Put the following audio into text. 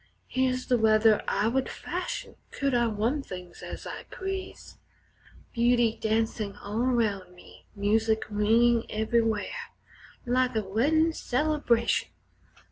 Here's the weather I would fashion could I run things as I please Beauty dancin' all around me, music ringin' everywhere, Like a weddin' celebration.